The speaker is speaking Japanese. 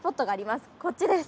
こっちです。